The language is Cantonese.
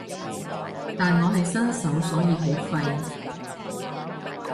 但我係新手所以好廢